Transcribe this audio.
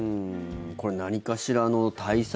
これ何かしらの対策